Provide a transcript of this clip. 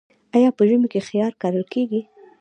آیا په ژمي کې خیار کرل کیږي؟